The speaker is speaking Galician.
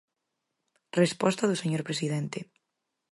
Resposta do señor presidente.